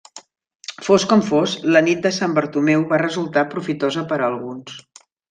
Fos com fos, la nit de Sant Bartomeu va resultar profitosa per a alguns.